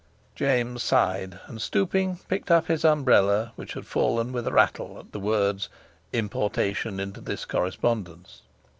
James sighed, and stooping, picked up his umbrella which had fallen with a rattle at the words "importation into this correspondence."